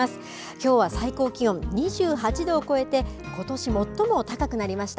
きょうは最高気温２８度を超えてことし最も高くなりました。